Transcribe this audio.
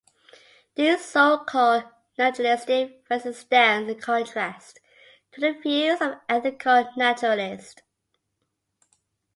This so-called naturalistic fallacy stands in contrast to the views of ethical naturalists.